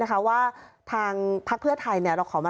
ขายอย่างแรกเลยนะคะ